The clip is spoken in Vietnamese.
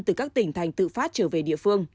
từ các tỉnh thành tự phát trở về địa phương